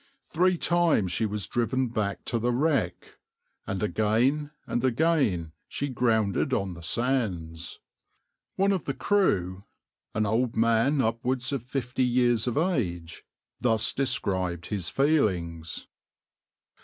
Three times she was driven back to the wreck, and again and again she grounded on the sands.\par One of the crew, an old man upwards of fifty years of age, thus described his feelings.